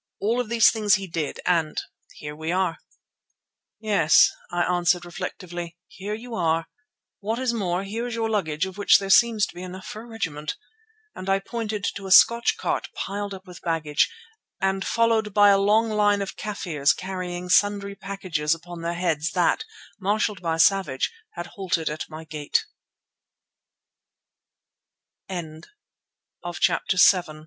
All of these things he did, and—here we are." "Yes," I answered reflectively, "here you are. What is more, here is your luggage of which there seems to be enough for a regiment," and I pointed to a Scotch cart piled up with baggage and followed by a long line of Kafirs carrying sundry packages upon their heads that, marshalled by Savage, had halted at my gate.